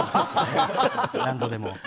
何度でも。